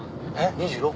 ２６。